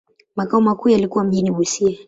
Makao makuu yalikuwa mjini Busia.